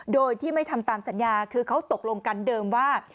โดยที่ไม่ทำตามสัญญาคือเขาตกลงกันเดิมว่า